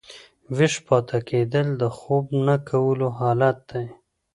ویښ پاته کېدل د خوب نه کولو حالت دئ.